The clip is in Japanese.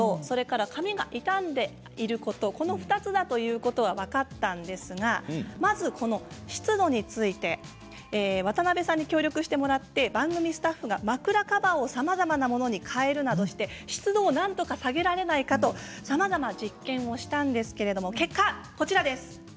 この２つだということは分かったんですがまず湿度について渡邊さんに協力してもらって番組スタッフが枕カバーをさまざまなものに変えるなどして湿度をなんとか下げられないかとさまざまな実験をしたんですけれども結果こちらです。